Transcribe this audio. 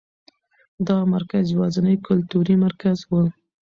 دغه مرکز یوازېنی کلتوري مرکز و.